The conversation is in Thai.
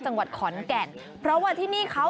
จังหวัดขอนแก่นเพราะว่าที่นี่เขา